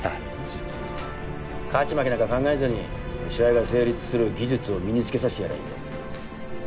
勝ち負けなんか考えずに試合が成立する技術を身につけさせてやりゃいいんだよ。